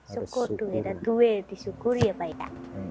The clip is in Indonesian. syukur duit dan duit disyukuri ya pak itta